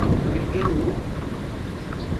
Per qué non?